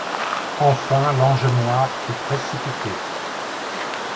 Enfin l’ange noir fut précipité.